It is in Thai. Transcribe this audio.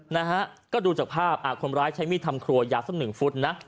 นะฮะก็ดูจากภาพคนร้ายใช้มีดทำครัวยา๑ฟุตนะ